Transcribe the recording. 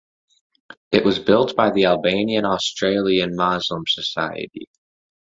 It was built by the Albanian Australian Moslem Society.